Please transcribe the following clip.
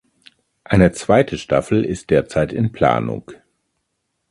Eine zweite Staffel ist derzeit in Planung.